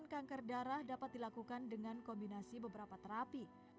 kanker darah dapat dilakukan dengan kombinasi beberapa terapi